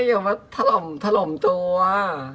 อย่ามาทะลมทั้งทั้งตัวอะ